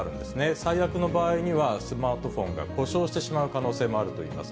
最悪の場合には、スマートフォンが故障してしまう可能性もあるといいます。